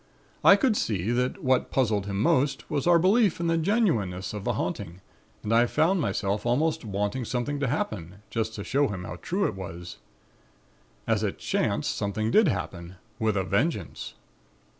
I could see that what puzzled him most was our belief in the genuineness of the haunting and I found myself almost wanting something to happen, just to show him how true it was. As it chanced, something did happen, with a vengeance.